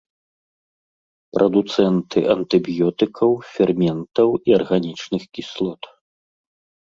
Прадуцэнты антыбіётыкаў, ферментаў і арганічных кіслот.